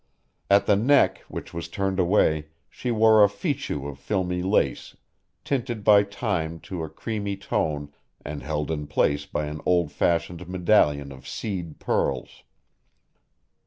At the neck, which was turned away, she wore a fichu of filmy lace tinted by time to a creamy tone and held in place by an old fashioned medallion of seed pearls.